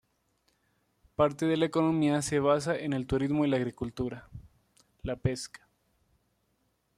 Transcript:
Parte de la economía se basa en el turismo y la agricultura, la pesca.